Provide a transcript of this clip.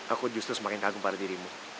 aku justru semakin kagum pada dirimu